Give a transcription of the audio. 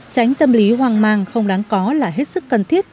tránh tâm lý hoang mang không đáng có là hết sức cần thiết